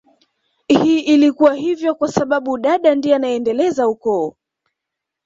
Hii ilikuwa hivyo kwa sababu dada ndiye anayeendeleza ukoo